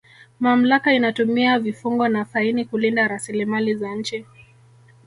mamlaka inatumia vifungo na faini kulinda rasilimali za nchi